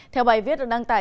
theo bài viết được đăng tải